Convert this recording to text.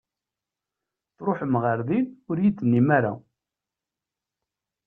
Tṛuḥem ɣer din ur iyi-d-tennim ara!